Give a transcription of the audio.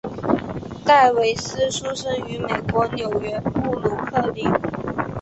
戴维斯出生于美国纽约布鲁克林。